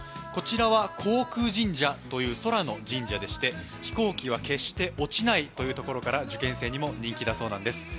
こちらは航空神社という空の神社でして飛行機は決して落ちないというところから受験生にも人気だそうなんです。